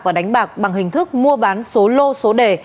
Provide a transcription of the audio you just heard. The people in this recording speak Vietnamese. và đánh bạc bằng hình thức mua bán số lô số đề